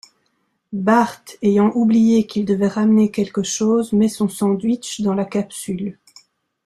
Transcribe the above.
Bart, ayant oublié qu'il devait ramener quelque chose, met son sandwich dans la capsule.